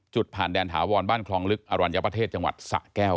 จุดผ่านด่านถาวรกล้องลึกอรัญพเทศจังหวัดสะแก้ว